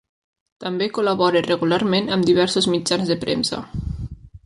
També col·labora regularment amb diversos mitjans de premsa.